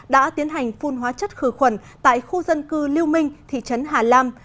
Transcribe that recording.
đã tiến hành phun hóa chất khử khuẩn tại khu dân cư liêu minh thị trấn hà lam